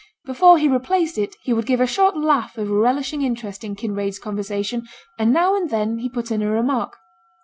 Before he replaced it, he would give a short laugh of relishing interest in Kinraid's conversation; and now and then he put in a remark.